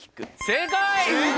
正解！